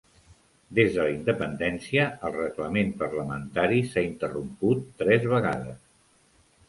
Des de la independència, el reglament parlamentari s'ha interromput tres vegades.